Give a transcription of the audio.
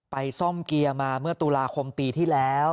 ซ่อมเกียร์มาเมื่อตุลาคมปีที่แล้ว